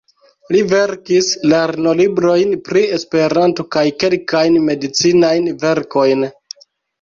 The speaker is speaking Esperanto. Li verkis lernolibrojn pri Esperanto kaj kelkajn medicinajn verkojn.